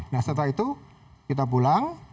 nah setelah itu kita pulang